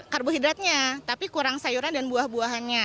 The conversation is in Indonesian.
karbohidratnya tapi kurang sayuran dan buah buahannya